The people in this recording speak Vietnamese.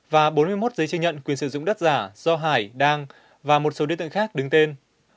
và bốn mươi một giấy chứng nhận quyền sử dụng đất giả do hải đăng và một số đối tượng khác đứng tên